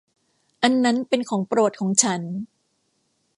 อันนั้นเป็นของโปรดของฉัน !